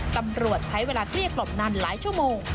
ตำรวจใช้เวลาเกลี้ยกล่อมนานหลายชั่วโมง